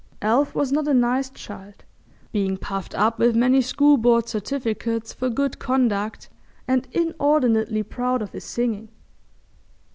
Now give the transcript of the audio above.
Alf was not a nice child, being puffed up with many school board certificates for good conduct, and inordinately proud of his singing.